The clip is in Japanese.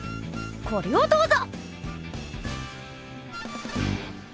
これをどうぞ！